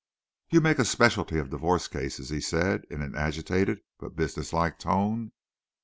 "You make a specialty of divorce cases," he said, in, an agitated but business like tone.